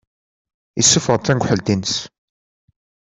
Isuffeɣ-d tanegḥelt-ines.